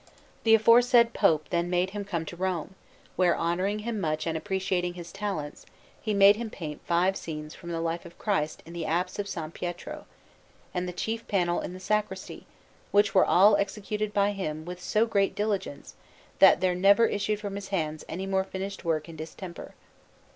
Francesco_)] The aforesaid Pope then made him come to Rome, where, honouring him much and appreciating his talents, he made him paint five scenes from the life of Christ in the apse of S. Pietro, and the chief panel in the sacristy, which were all executed by him with so great diligence that there never issued from his hands any more finished work in distemper.